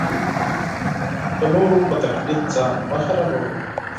د نورو په تقلید ځان مه خرابوئ.